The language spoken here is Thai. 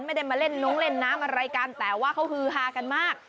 ไม่ได้มาเล่นน้องเล่นน้ำอะไรกันแต่ว่าเขาฮือฮากันมาก